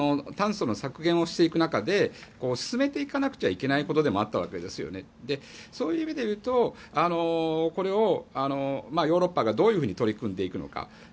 炭素の削減をしていく中で進めていかなくちゃいけないことでもあったわけですそういう意味でいうとこれをヨーロッパがどういうふうに取り組んでいくのか。